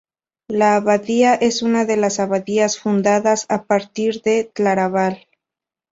La abadía es una de las abadías fundadas a partir de Claraval.